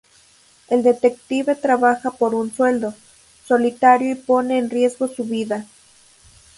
El detective trabaja por un sueldo, solitario y pone en riesgo su vida.